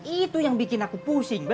itu yang bikin aku pusing